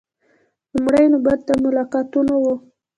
لومړۍ نوبت د ملاقاتونو و.